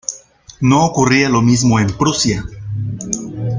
No ocurría lo mismo en Prusia.